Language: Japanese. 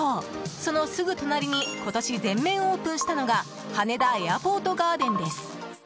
そのすぐ隣に今年、全面オープンしたのが羽田エアポートガーデンです。